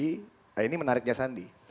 nah ini menariknya sandi